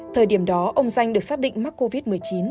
thời điểm đó ông danh được xác định mắc covid một mươi chín